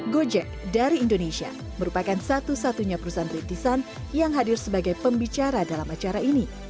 gojek dari indonesia merupakan satu satunya perusahaan rintisan yang hadir sebagai pembicara dalam acara ini